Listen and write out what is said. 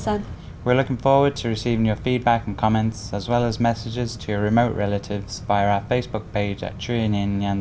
xin kính chào và hẹn gặp lại quý vị trong các chương trình tiếp theo